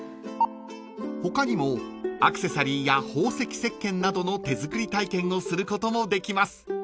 ［他にもアクセサリーや宝石石鹸などの手作り体験をすることもできます］